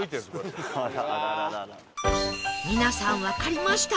皆さんわかりました！